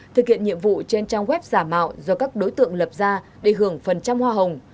thực hiện nhiệm vụ trên trang web giả mạo do các đối tượng lập ra để hưởng phần trăm hoa hồng